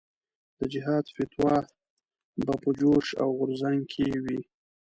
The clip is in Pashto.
د جهاد فتوا به په جوش او غورځنګ کې وي.